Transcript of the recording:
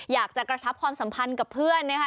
กระชับความสัมพันธ์กับเพื่อนนะคะ